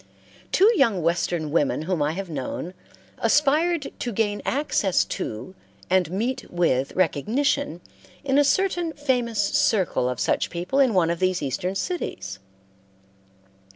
Two young Western women whom I have known, aspired to gain access to and meet with recognition in a certain famous circle of such people in one of these Eastern cities.